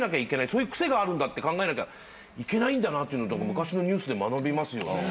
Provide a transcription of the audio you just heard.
そういう癖があるんだって考えなきゃいけないんだなって昔のニュースで学びますよね。